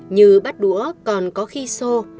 như bắt đũa còn có khi xô